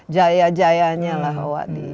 jaya jayanya lah oha